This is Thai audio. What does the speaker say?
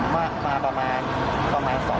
ผมมาประมาณ๒วันแล้ว